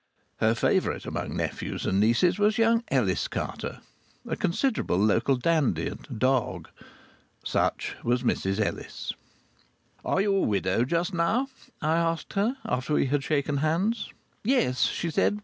Her favourite among nephews and nieces was young Ellis Carter, a considerable local dandy and "dog." Such was Mrs Ellis. "Are you a widow just now?" I asked her, after we had shaken hands. "Yes," she said.